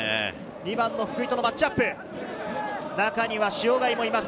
２番の福井とのマッチアップ、中には塩貝もいます。